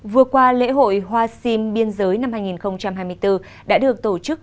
vừa qua lễ hội hoa sinh biên giới năm hai nghìn hai mươi bốn đã được tổ chức